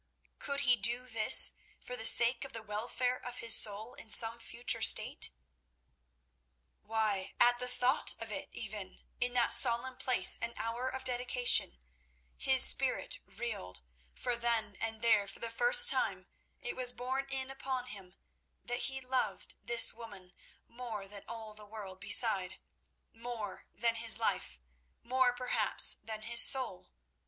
Could he do this for the sake of the welfare of his soul in some future state? Why, at the thought of it even, in that solemn place and hour of dedication, his spirit reeled, for then and there for the first time it was borne in upon him that he loved this woman more than all the world beside—more than his life, more, perhaps, than his soul.